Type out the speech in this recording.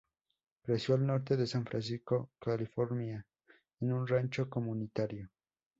Creció al norte de San Francisco, California, en un rancho comunitario.